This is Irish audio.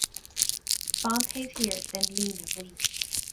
Fan taobh thiar den líne bhuí.